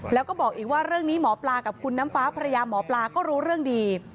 แล้วก็บอกอีกว่าเรื่องนี้หมอปลากับคุณน้ำฟ้าภรรยาหมอปลาก็รู้เรื่องดี